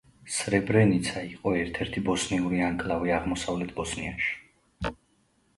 სრებრენიცა იყო ერთ–ერთი ბოსნიური ანკლავი აღმოსავლეთ ბოსნიაში.